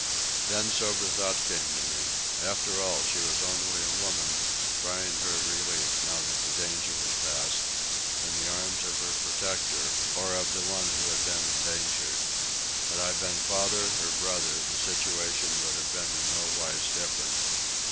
Then sober thought came to me. After all, she was only a woman, crying her relief, now that the danger was past, in the arms of her protector or of the one who had been endangered. Had I been father or brother, the situation would have been in nowise different.